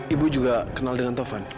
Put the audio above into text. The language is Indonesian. ibu juga kenal dengan tovan